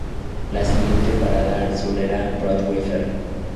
La siguiente parada al sur era Broadway Ferry.